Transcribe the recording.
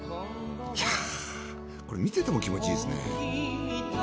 いやこれ見てても気持ちいいですね。